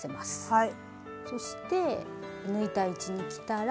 はい。